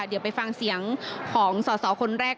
เดี๋ยวไปฟังเสียงของสอสอคนแรก